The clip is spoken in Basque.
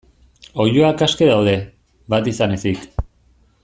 Oiloak aske daude, bat izan ezik.